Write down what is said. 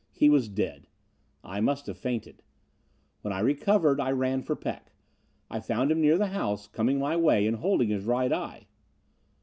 He was dead. I must have fainted. "When I recovered I ran for Peck. I found him near the house, coming my way and holding his right eye.